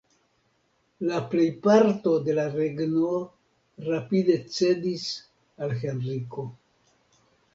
La plejparto de la regno rapide cedis al Henriko.